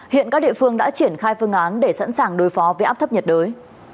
hiện các địa phương đã triển khai phương án để sẵn sàng đối phó với áp thấp nhiệt đới